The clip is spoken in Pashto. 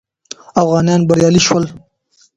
افغانان بریالي شول